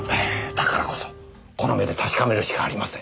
だからこそこの目で確かめるしかありません。